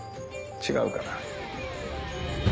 違うかな？